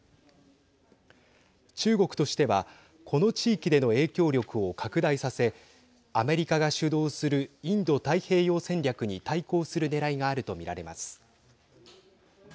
中国としてはこの地域での影響力を拡大させアメリカが主導するインド太平洋戦略に対抗するねらいがあるとみられます。